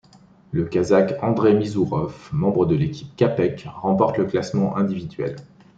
Le Kazakh Andrey Mizourov, membre de l'équipe Capec, remporte le classement individuel.